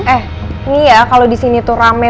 eh nih ya kalau disini tuh rame